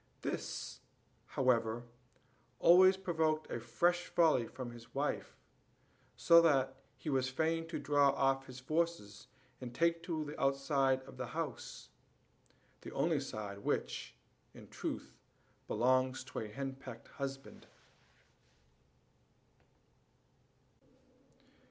This, however, always provoked a fresh volley from his wife; so that he was fain to draw off his forces, and take to the outside of the house the only side which, in truth, belongs to a henpecked husband.